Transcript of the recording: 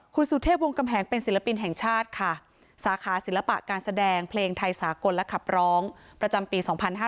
คุณสุเทพวงกำแหงเป็นศิลปินแห่งชาติค่ะสาขาศิลปะการแสดงเพลงไทยสากลและขับร้องประจำปี๒๕๕๙